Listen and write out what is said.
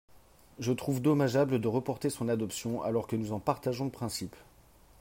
Je trouve dommageable de reporter son adoption alors que nous en partageons le principe.